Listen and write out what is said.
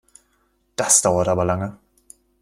Das dauert aber lange!